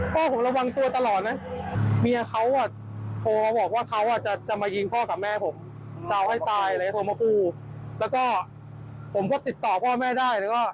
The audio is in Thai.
ผมคือติดต่อพ่อแม่ได้หรือว่า